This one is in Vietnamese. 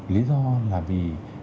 lý do là vì